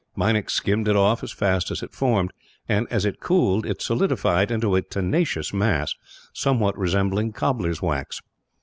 Meinik skimmed it off, as fast as it formed and, as it cooled, it solidified into a tenacious mass, somewhat resembling cobblers' wax.